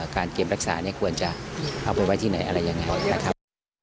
การเก็บรักษาเนี่ยควรจะเอาไปไว้ที่ไหนอะไรยังไงนะครับ